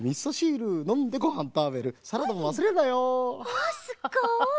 わあすっごい。